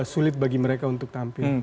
sulit bagi mereka untuk tampil